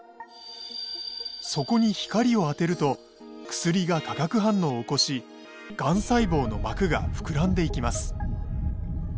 そこに光を当てると薬が化学反応を起こしがん細胞の膜が膨らんでいきます。